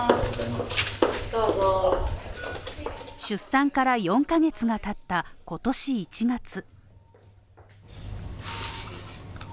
出産から４カ月がたった今年１月。